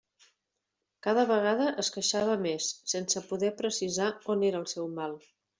Cada vegada es queixava més, sense poder precisar on era el seu mal.